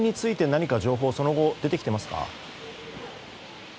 何かその後出てきていますか？